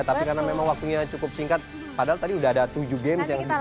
tapi karena memang waktunya cukup singkat padahal tadi sudah ada tujuh games yang bisa